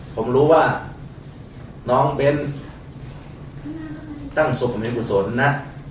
พอผมรู้ว่าน้องเบนตั้งศพวันเพลินกุศลนะ